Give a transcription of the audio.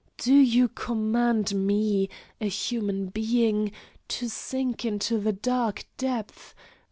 Do You command me, a human being, to sink into the dark depth?